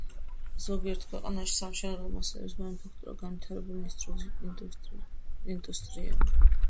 ზოგიერთ ქვეყანაში სამშენებლო მასალების მანუფაქტურა განვითარებული ინდუსტრიაა.